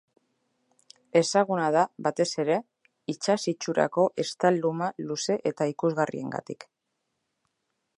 Ezaguna da, batez ere, isats itxurako estal-luma luze eta ikusgarriengatik.